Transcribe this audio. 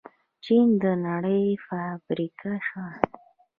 چین د نړۍ فابریکه شوه.